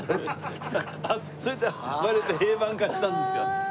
それでこなれて平板化したんですか。